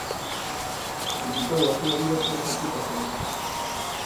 Sacrificou a súa vida por esa puta xema.